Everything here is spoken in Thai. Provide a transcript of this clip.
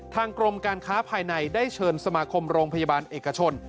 ทางกรมการค้าภายในได้เชิญสมาคมโรงพยาบาลเอกชน